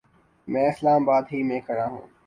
میں اسلام آباد ہی میں کھڑا ہوں